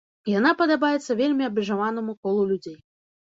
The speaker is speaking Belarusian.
Яна падабаецца вельмі абмежаванаму колу людзей.